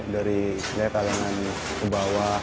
dari kalangan ke bawah